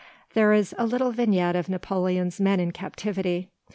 '" There is a little vignette of Napoleon's men in captivity.